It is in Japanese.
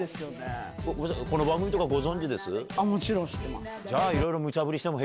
もちろん知ってます。